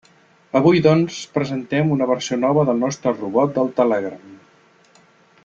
Avui, doncs, presentem una versió nova del nostre robot del Telegram.